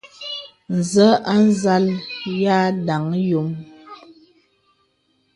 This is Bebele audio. Zə̀ a nzàl y à ndaŋ yōm.